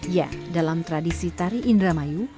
ya dalam tradisi tari indramayu